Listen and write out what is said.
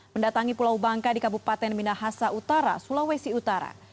mendatangi pulau bangka di kabupaten minahasa utara sulawesi utara